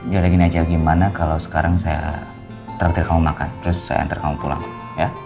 yaudah gini aja gimana kalau sekarang saya tertir kamu makan terus saya antar kamu pulang ya